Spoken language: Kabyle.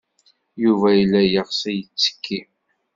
Yuba yella yeɣs ad yettekki.